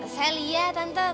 saya lia tante